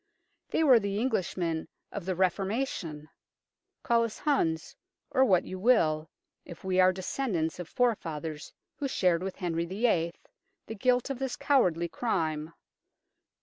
They were the Englishmen of the Re formation. Call us Huns or what you will if we are descendants of forefathers who shared with Henry VIII. the guilt of this cowardly crime.